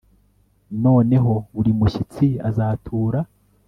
Noneho buri mushyitsi azatura